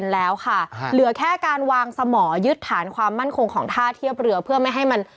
และมันจะมีเรื่องตอนหลักหลัก